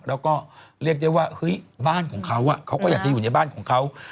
แล้วก็เรียกได้ว่าเฮ้ยบ้านของเขาเขาก็อยากจะอยู่ในบ้านของเขา